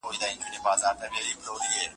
دروېشان او ملنګان شاید د سر نه